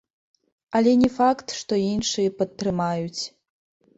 Але не факт, што іншыя падтрымаюць.